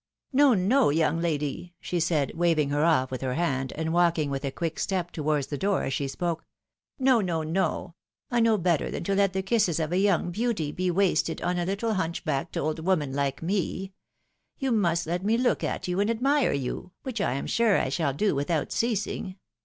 " No, no, young lady !" she said, waving her off with her hand, and walking with a quick step towards the door as she spoke. " No, no, no ! I know better than to let the kisses of a young beauty be wasted on a httle hunchbacked old woman like me ! You must let me look at you, and admire you, which I am sure I shall do without ceasing.